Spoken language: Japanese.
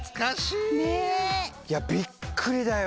いやびっくりだよ。